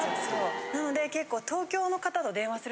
なので結構。